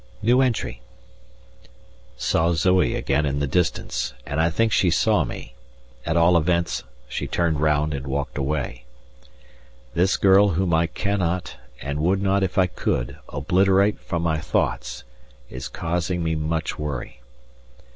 Saw Zoe again in the distance, and I think she saw me; at all events she turned round and walked away. This girl whom I cannot, and would not if I could, obliterate from my thoughts, is causing me much worry.